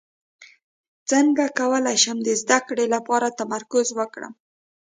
څنګه کولی شم د زده کړې لپاره تمرکز وکړم